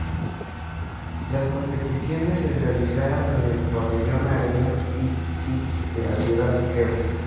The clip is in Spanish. Las competiciones se realizaron en el pabellón Arena Leipzig de la ciudad germana.